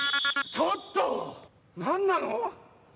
ちょっとなんなの？